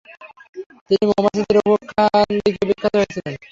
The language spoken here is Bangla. তিনি মৌমাছিদের উপাখ্যান লিখে বিখ্যাত হয়েছিলেন।